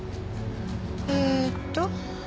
えーっと。